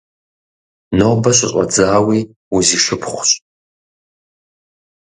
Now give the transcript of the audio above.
Нобэ щыщӀэдзауи узишыпхъущ!